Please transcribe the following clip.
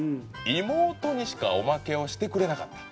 「妹にしかおまけをしてくれなかった」